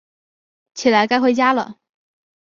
起来，该回家了